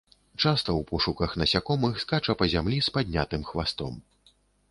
Часта ў пошуках насякомых скача па зямлі з паднятым хвастом.